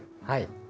はい。